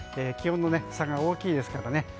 気温の差が大きいですからね。